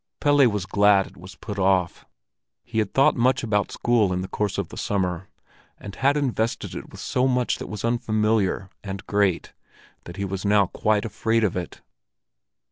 Pelle was glad it was put off. He had thought much about school in the course of the summer, and had invested it with so much that was unfamiliar and great that he was now quite afraid of it.